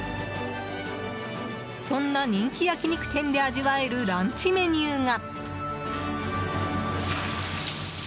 そんな人気焼き肉店で味わえるランチメニューが。